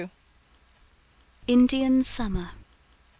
Indian Summer.